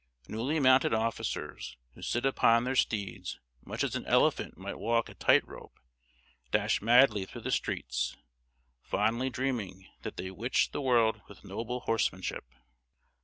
Newly mounted officers, who sit upon their steeds much as an elephant might walk a tight rope, dash madly through the streets, fondly dreaming that they witch the world with noble horsemanship.